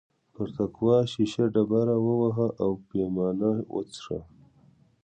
پر تقوا شیشه ډبره ووهه او پیمانه وڅښه.